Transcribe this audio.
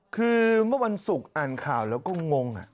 คือเมื่อวันศุกร์อ่านข่าวแล้วก็งง